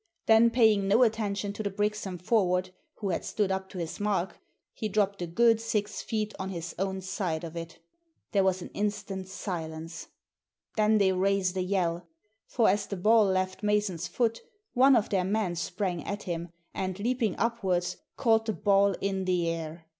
Then, paying no attention to the Brixham forward, who had stood up to his mark, he dropped a good six feet on his own side of it digitized by Google i66 THE SEEN AND THE UNSEEN There was an instant's silence. Then they raised a yell; for as the ball left Mason's foot one of their men sprang at him, and, leaping upwards, caught the ball in the air.